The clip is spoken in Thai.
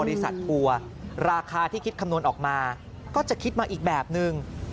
ทัวร์ราคาที่คิดคำนวณออกมาก็จะคิดมาอีกแบบนึง